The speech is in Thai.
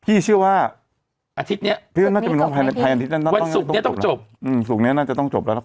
พี่เชื่อว่าอาทิตย์เนี้ยวันศุกร์เนี้ยต้องจบอืมศุกร์เนี้ยน่าจะต้องจบแล้วนะครับ